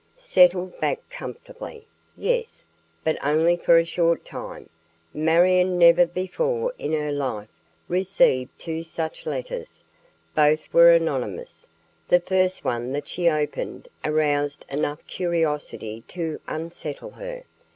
"Settled back comfortably" yes, but only for a short time. Marion never before in her life received two such letters. Both were anonymous. The first one that she opened aroused enough curiosity to "unsettle" her.